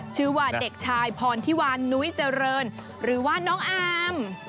ชื่อว่าเด็กชายพรทิวานนุ้ยเจริญหรือว่าน้องอาม